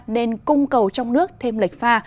nên cung cầu trong nước thêm lệch pha